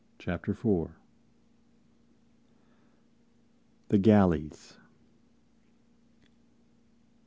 Chapter 4 THE GALLEYS M.